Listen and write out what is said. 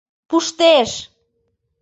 Пуштеш!